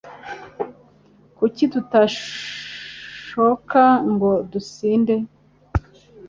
Kuki tutasohoka ngo dusinde